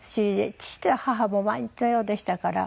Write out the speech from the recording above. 父と母も毎日のようでしたから。